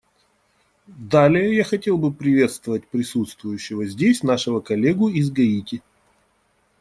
Далее, я хотел бы приветствовать присутствующего здесь нашего коллегу из Гаити.